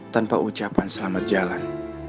tanpa ucapan selamat jalan